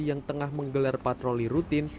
yang tengah menggelar patroli rutin